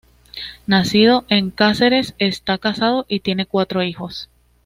Nacido en Cáceres, está casado y tiene cuatro hijos.